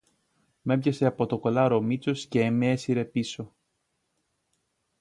Μ' έπιασε από τον κολάρο ο Μήτσος και μ' έσυρε πίσω